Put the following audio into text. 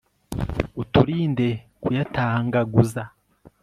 uturinde kuyatangaguza